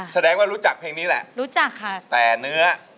ค่ะงานหนักเลยค่ะแต่เนื้อ